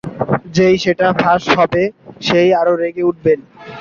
যেই সেটা ফাঁস হবে সে-ই আরো রেগে উঠবেন।